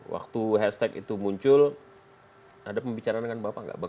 waktu hashtag itu muncul ada pembicaraan dengan bapak nggak